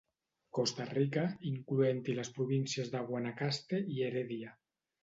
Costa Rica, incloent-hi les províncies de Guanacaste i Heredia.